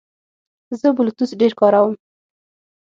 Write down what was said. زه بلوتوث ډېر کاروم.